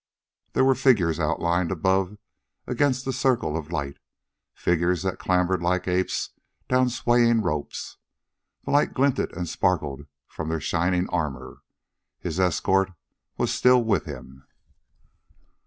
There was figures outlined above against the circle of light, figures that clambered like apes down swaying ropes. The light glinted and sparkled from their shining armor. His escort was still with him.